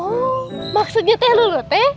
oh maksudnya teh lho loh teh